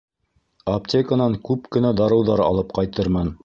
Аптеканан күп кенә дарыуҙар алып ҡайтырмын.